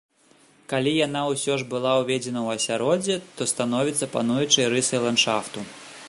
Калі яна ўсё ж была ўведзена ў асяроддзе, то становіцца пануючай рысай ландшафту.